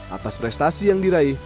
atas prestasi yang diraih